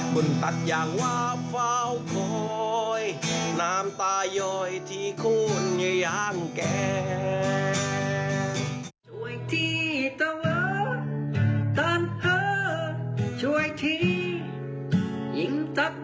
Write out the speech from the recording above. คุณตัดอย่างว่าเฝ้าคอยน้ำตายอยที่คนอยู่อย่างแก